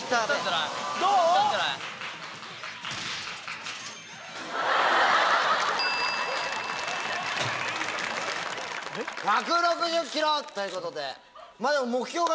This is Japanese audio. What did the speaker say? どう⁉１６０キロということで。